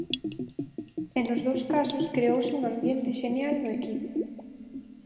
E nos dous casos creouse un ambiente xenial no equipo.